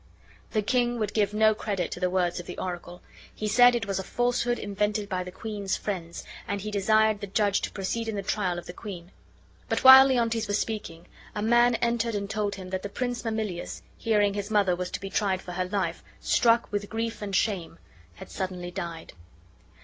The king would give no credit to the words of the oracle. He said it was a falsehood invented by the queen's friends, and be desired the judge to proceed in the trial of the queen; but while Leontes was speaking a man entered and told him that the Prince Mamillius, hearing his mother was to be tried for her life, struck with grief and shame, had suddenly died.